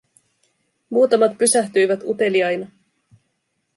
Muutamat pysähtyivät uteliaina.